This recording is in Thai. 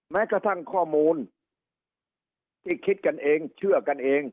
แม้กระทั่งข้อมูลที่คิดกันเองเชื่อกันเอง